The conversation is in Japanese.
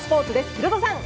ヒロドさん。